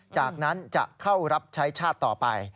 จากนั้นจะเข้ารับใช้ชาติต่อไป